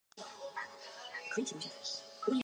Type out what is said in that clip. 安息香缩合是羰基极性转换的一个典型例子。